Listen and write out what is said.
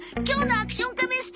今日の『アクション仮面』